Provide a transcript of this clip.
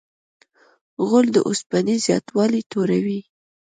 غول د اوسپنې زیاتوالی توروي.